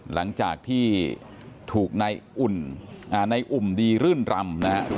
หลังจากที่ถูกนายอุ่นในอุ่นดีรื่นรำนะฮะ